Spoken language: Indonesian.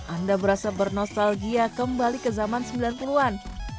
anda berasa bernostalgia kembali ke zaman sembilan puluh an